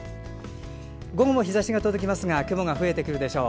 午後も日ざしが届きますが雲が増えてくるでしょう。